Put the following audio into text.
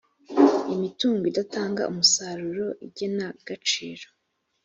imitungo idatanga umusaruro igenagaciro